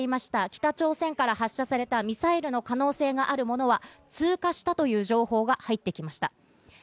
北朝鮮から発射されたミサイルの可能性があるものは通過したという情報が入ってきました。